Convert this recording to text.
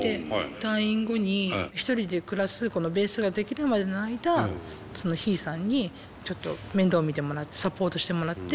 退院後に１人で暮らすこのベースが出来るまでの間ヒイさんにちょっと面倒見てもらってサポートしてもらって。